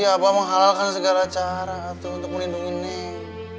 abah menghalalkan segala cara untuk menindungi neng